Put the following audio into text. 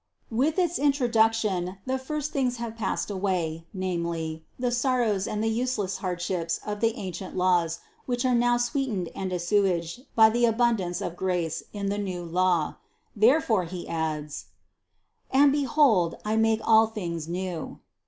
With its introduction the first things have passed away, namely, the sorrows and the useless hardships of the ancient laws, which are now 210 CITY OF GOD sweetened and assuaged by the abundance of grace in the new law. Therefore he adds: "And behold, I make all things new."